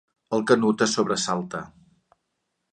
El Canut es sobresalta.